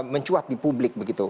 mencuat di publik begitu